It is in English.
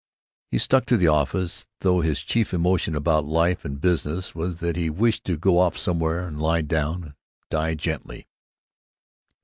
He stuck to the office, though his chief emotion about life and business was that he wished to go off somewhere and lie down and die gently.